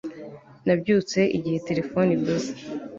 Nabyutse igihe terefone ivuze